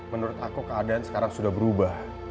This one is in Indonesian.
menurut aku keadaan sekarang sudah berubah